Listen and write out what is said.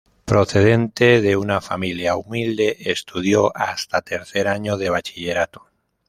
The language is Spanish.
Procedente de una familia humilde, estudió hasta tercer año de Bachillerato.